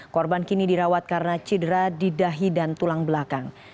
korban kini dirawat karena cedera di dahi dan tulang belakang